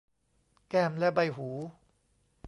แก้มและใบหู